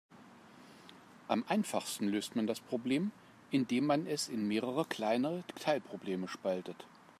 Am einfachsten löst man das Problem, indem man es in mehrere kleine Teilprobleme spaltet.